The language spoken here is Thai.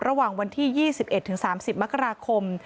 ระหว่างวันที่๒๑๓๐มกราคม